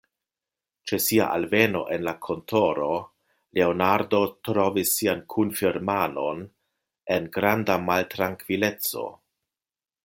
Ĉe sia alveno en la kontoro, Leonardo trovis sian kunfirmanon en granda maltrankvileco.